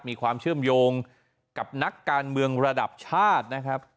มีความเชื่อมโยงกับนักการเมืองระดับชาตินะครับ